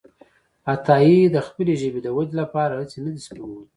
عطاييد خپلې ژبې د ودې لپاره هڅې نه دي سپمولي.